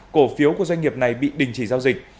cổ phiếu của doanh nghiệp này bị đình chỉ giao dịch